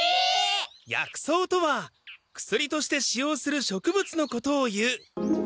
薬草とは薬として使用する植物のことをいう。